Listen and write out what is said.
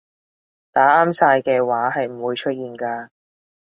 打啱晒嘅話係唔會出現㗎